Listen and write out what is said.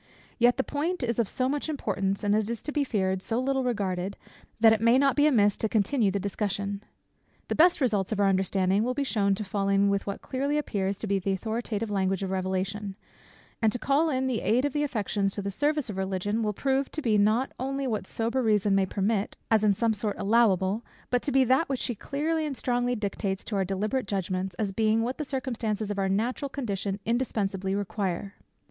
Yet the point is of so much importance, and it is to be feared, so little regarded, that it may not be amiss to continue the discussion. The best results of our understanding will be shewn to fall in with what clearly appears to be the authoritative language of revelation; and to call in the aid of the affections to the service of Religion, will prove to be not only what sober reason may permit, as in some sort allowable; but to be that which she clearly and strongly dictates to our deliberate judgments, as being what the circumstances of our natural condition indispensably require.